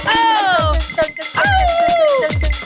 เตื็มเตื็มเตืม